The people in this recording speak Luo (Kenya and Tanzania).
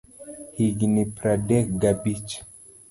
Higni pradek ga abich.